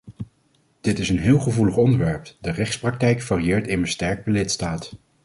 Dit is een heel gevoelig onderwerp – de rechtspraktijk varieert immer sterk per lidstaat.